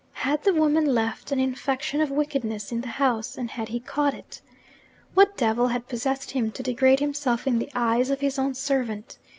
Had the woman left an infection of wickedness in the house, and had he caught it? What devil had possessed him to degrade himself in the eyes of his own servant?